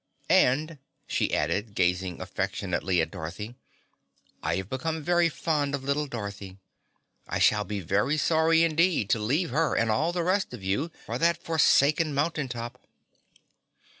And," she added, gazing affectionately at Dorothy, "I have become very fond of little Dorothy. I shall be very sorry indeed to leave her and all the rest of you for that forsaken mountain top."